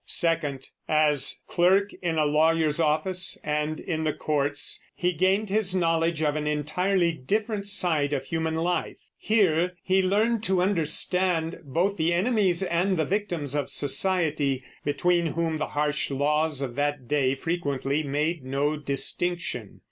Second, as clerk in a lawyer's office and in the courts, he gained his knowledge of an entirely different side of human life. Here he learned to understand both the enemies and the victims of society, between whom the harsh laws of that day frequently made no distinction.